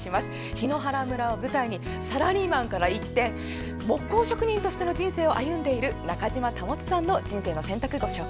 檜原村でサラリーマンから一転木工職人としての人生を歩んでいる中島保さんの「人生の選択」です。